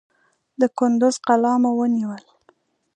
د کندوز قلا مو ونیول.